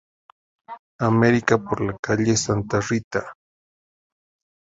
America por la calle Santa Rita.